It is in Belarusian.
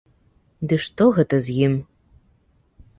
Ды што гэта з ім?